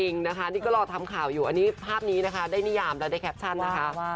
จริงนะคะนี่ก็รอทำข่าวอยู่อันนี้ภาพนี้นะคะได้นิยามแล้วได้แคปชั่นนะคะว่า